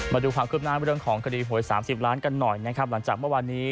มาดูความครบหน้าเรื่องของคดีโขที่๓๐ล้านคมกันหน่อยหลังจากว่าวันนี้